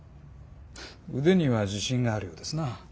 腕には自信があるようですな。